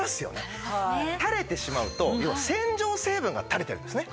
たれてしまうと要は洗浄成分がたれてるんですね。